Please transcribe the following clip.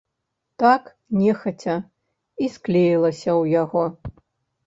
Так, нехаця, і склеілася ў яго.